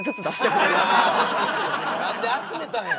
なんで集めたんや！